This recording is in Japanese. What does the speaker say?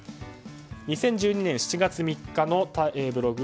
２０１２年７月３日のブログ。